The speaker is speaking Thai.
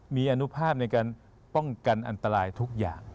มีอนุภาพในการป้องกันอันตรายทุกอย่าง